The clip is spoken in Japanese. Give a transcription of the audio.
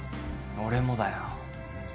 俺もだよ。